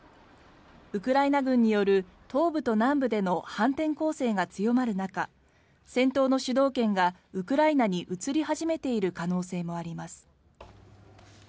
ウクライナ軍による東部と南部での反転攻勢が強まる中戦闘の主導権がウクライナに移り始めている可能性もあります。